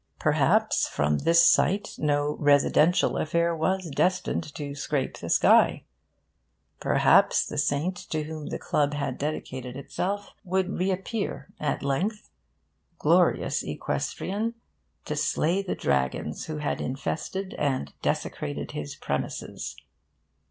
Perhaps from this site no 'residential' affair was destined to scrape the sky? Perhaps that saint to whom the club had dedicated itself would reappear, at length, glorious equestrian, to slay the dragons who had infested and desecrated his premises?